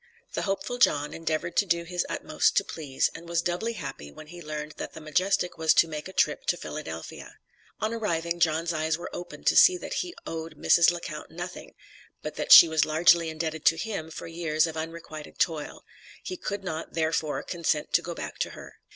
The hopeful John endeavored to do his utmost to please, and was doubly happy when he learned that the "Majestic" was to make a trip to Philadelphia. On arriving John's eyes were opened to see that he owed Mrs. Le Count nothing, but that she was largely indebted to him for years of unrequited toil; he could not, therefore, consent to go back to her.